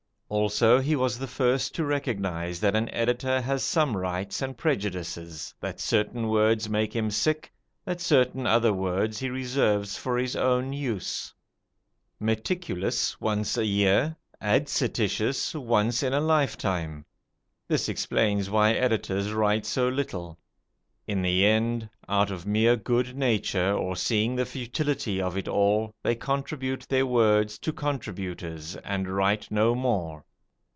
Also he was the first to recognize that an editor has some rights and prejudices, that certain words make him sick; that certain other words he reserves for his own use, "meticulous" once a year, "adscititious" once in a life time. This explains why editors write so little. In the end, out of mere good nature, or seeing the futility of it all, they contribute their words to contributors and write no more.